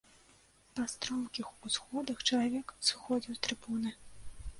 Па стромкіх усходах чалавек сыходзіў з трыбуны.